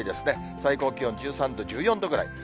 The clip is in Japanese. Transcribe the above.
最高気温１３度、１４度ぐらい。